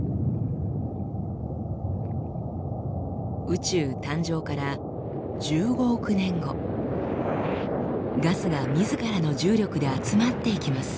宇宙誕生から１５億年後ガスがみずからの重力で集まっていきます。